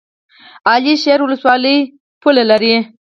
علي شیر ولسوالۍ پوله لري؟